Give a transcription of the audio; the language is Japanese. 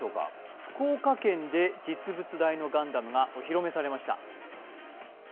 福岡県で実物大のガンダムがお披露目されました。